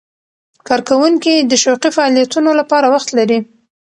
کارکوونکي د شوقي فعالیتونو لپاره وخت لري.